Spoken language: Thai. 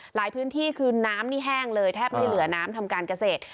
หลายพื้นที่คือน้ำนี่แห้งเลยแทบไม่เหลือน้ำทำการเกษตร